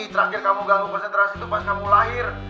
terakhir kamu ganggu konsentrasi itu pas kamu lahir